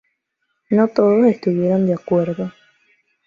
No todos estuvieron de acuerdo.